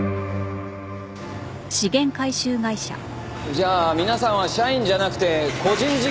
じゃあ皆さんは社員じゃなくて個人事業主？